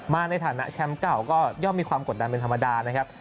ในฐานะแชมป์เก่าก็ย่อมมีความกดดันเป็นธรรมดานะครับ